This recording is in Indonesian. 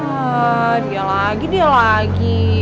ah dia lagi dia lagi